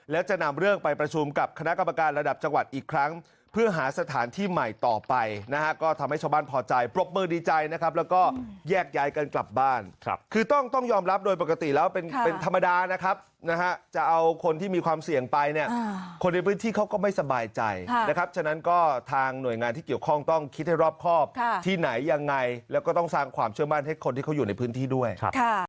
และจะนำเรื่องไปประชุมกับคณะกรรมการระดับจังหวัดอีกครั้งเพื่อหาสถานที่ใหม่ต่อไปนะฮะก็ทำให้ชาวบ้านพอใจปลกมือดีใจนะครับแล้วก็แยกย้ายกันกลับบ้านคือต้องต้องยอมรับโดยปกติแล้วเป็นธรรมดานะครับนะฮะจะเอาคนที่มีความเสี่ยงไปเนี่ยคนในพื้นที่เขาก็ไม่สบายใจนะครับฉะนั้นก็ทางหน่วยงานที่เกี่ยวข